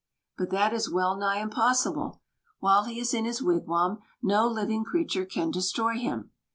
"But that is well nigh impossible. While he is in his wigwam, no living creature can destroy him.